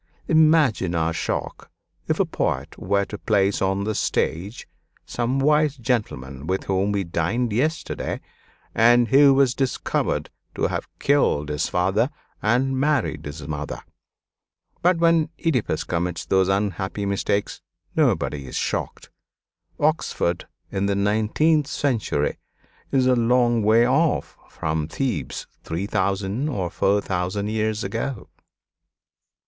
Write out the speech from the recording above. Imagine our shock if a poet were to place on the stage some wise gentleman with whom we dined yesterday, and who was discovered to have killed his father and married his mother. But when Oedipus commits those unhappy mistakes nobody is shocked. Oxford in the nineteenth century is a long way off from Thebes three thousand or four thousand years ago.